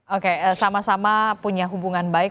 oke sama sama punya hubungan baik